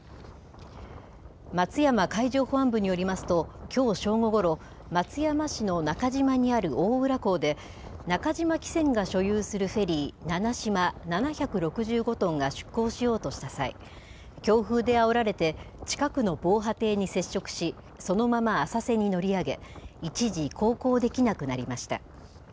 松山海上保安部によりますと、きょう正午ごろ、松山市の中島にある大浦港で、中島汽船が所有するフェリーななしま７６５トンが出港しようとした際、強風であおられて、近くの防波堤に接触し、そのまま浅瀬に乗り上げ、一時、航行できなくなりました。